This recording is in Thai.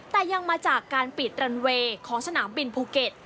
แต่ยังมาจากการปิดรันเวย์ของสนามบินภูเก็ต